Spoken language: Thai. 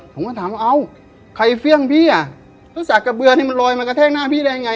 ผมก็ถามว่าเอ้าใครเฟี่ยงพี่อ่ะรู้จักกระเบือนี่มันลอยมากระแทกหน้าพี่ได้ยังไง